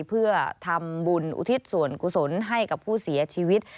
เพื่อทำบุญอุทิศส่วนกุศลให้กับผู้เสียชีวิต